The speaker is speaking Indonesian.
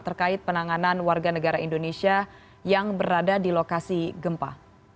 terkait penanganan warga negara indonesia yang berada di lokasi gempa